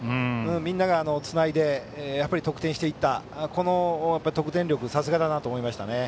みんながつないで得点していった得点力がさすがだなと思いますね。